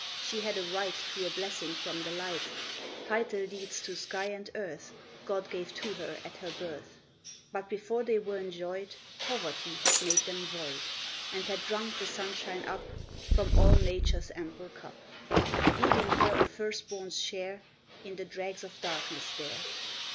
she had a right To a blessing from the light, Title deeds to sky and earth God gave to her at her birth, But, before they were enjoyed, Poverty had made them void, And had drunk the sunshine up From all nature's ample cup, Leaving her a first born's share In the dregs of darkness there.